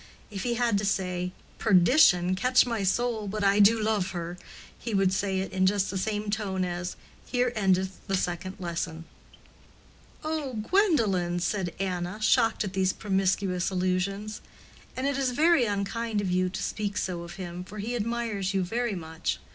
If he had to say, 'Perdition catch my soul, but I do love her,' he would say it in just the same tone as, 'Here endeth the second lesson.'" "Oh, Gwendolen!" said Anna, shocked at these promiscuous allusions. "And it is very unkind of you to speak so of him, for he admires you very much.